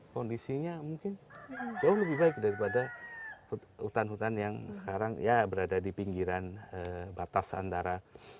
kondisinya mungkin jauh lebih baik daripada hutan hutan yang sekarang ya berada di pinggiran batas antara